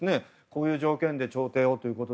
こういう条件で調停をと。